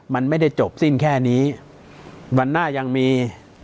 มันไม่ได้จบสิ้นแค่นี้วันหน้ายังมี